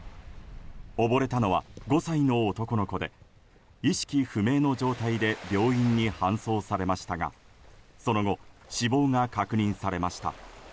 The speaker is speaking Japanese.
溺れたのは５歳の男の子で意識不明の状態で病院に搬送されましたがその後、死亡が確認されました。